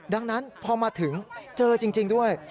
ดังนั้นพอมาถึงเจอจริงด้วย